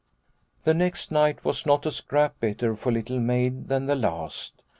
The next night was not a scrap better for Little Maid than the last.